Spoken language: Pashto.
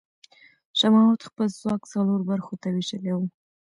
شاه محمود خپل ځواک څلور برخو ته وېشلی و.